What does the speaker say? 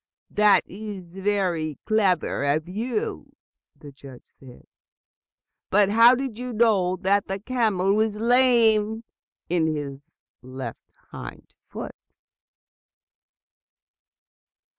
"That is very clever of you," the judge said. "But how did you know that the camel was lame in his left hind foot?"